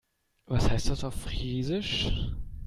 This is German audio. Was heißt das auf Friesisch?